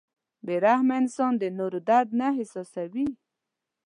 • بې رحمه انسان د نورو درد نه احساسوي.